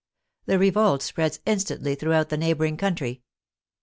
The revolt spreads instantly throughout the neighboring country.